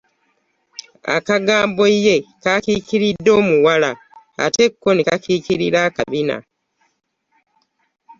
Akagambo ye kakiikiridde omuwala ate ko ne kakiikirira akabina.